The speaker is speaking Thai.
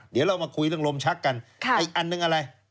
เดี๋ยวเรามาคุยเรื่องลมชักกันอีกอันหนึ่งอะไร